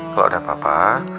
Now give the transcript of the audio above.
kalau ada apa apa